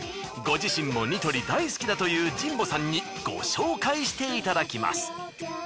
ご自身もニトリ大好きだという新保さんにご紹介していただきます。